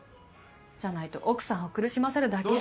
じゃないと奥さんを苦しませるだけ。